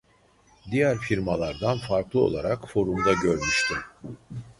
Diğer firmalardan farklı olarak forumda görmüştüm